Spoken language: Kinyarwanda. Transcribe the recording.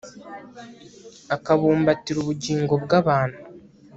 akabumbatira ubugingo bw'abantu